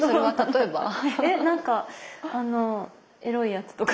えっなんかあのエロいやつとか。